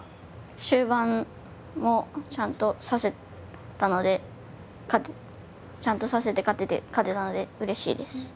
終盤もちゃんと指せたのでちゃんと指せて勝てたのでうれしいです。